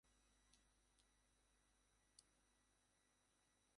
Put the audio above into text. পশ্চিমবঙ্গ পুলিশের অন্তর্গত হিলি থানার অধীনে হিলি সমষ্টি উন্নয়ন ব্লক রয়েছে।